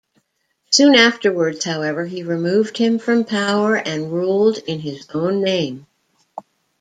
Soon afterwards, however, he removed him from power and ruled in his own name.